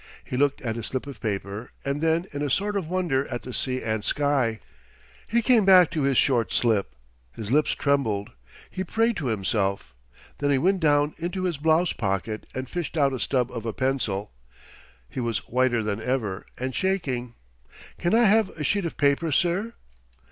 He looked at his slip of paper and then in a sort of wonder at the sea and sky. He came back to his short slip. His lips trembled. He prayed to himself. Then he went down into his blouse pocket and fished out a stub of a pencil. He was whiter than ever, and shaking. "Can I have a sheet of paper, sir?"